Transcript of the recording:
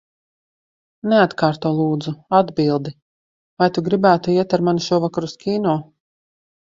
Neatkārto, lūdzu, atbildi. Vai tu gribētu iet ar mani šovakar uz kino?